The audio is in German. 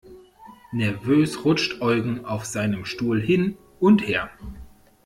Nervös rutscht Eugen auf seinem Stuhl hin und her.